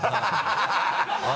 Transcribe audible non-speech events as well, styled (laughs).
ハハハ (laughs)